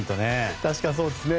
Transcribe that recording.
確かにそうですね。